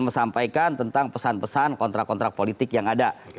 mesampaikan tentang pesan pesan kontrak kontrak politik yang ada di sana